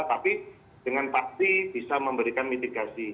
tapi dengan pasti bisa memberikan mitigasi